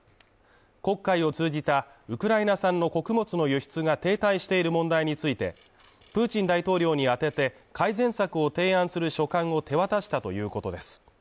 黒海を通じたウクライナ産の穀物の輸出が停滞している問題についてプーチン大統領に宛てて改善策を提案する書簡を手渡したということです。